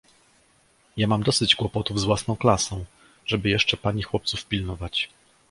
"Ja mam dosyć kłopotów z własną klasą, żeby jeszcze pani chłopców pilnować."